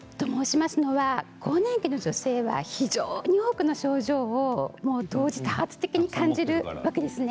更年期の女性は非常に多くの症状を同時多発的に感じるわけですね。